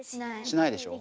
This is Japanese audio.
しないでしょ？